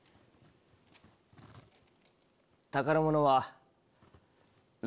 宝物は。